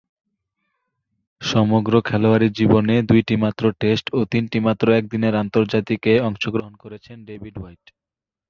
সমগ্র খেলোয়াড়ী জীবনে দুইটিমাত্র টেস্ট ও তিনটিমাত্র একদিনের আন্তর্জাতিকে অংশগ্রহণ করেছেন ডেভিড হোয়াইট।